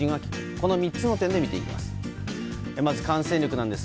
この３つの点で見ていきます。